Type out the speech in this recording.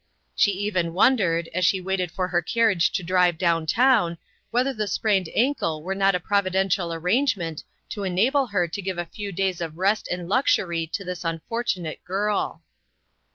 She even won dered, as she waited for her carriage to drive down town, whether the sprained ankle were not a providential arrangement to enable her to give a few days of rest and luxury to this unfortunate girl.